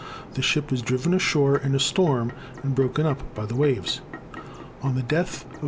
The ship was driven ashore in a storm, and broken up by the waves. ON THE DEATH OF M.